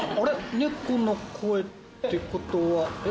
猫の声ってことは。